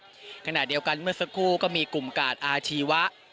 ตรงนี้นะครับขณะเดียวกันเมื่อสักครู่ก็มีกลุ่มกาดอาชีวะ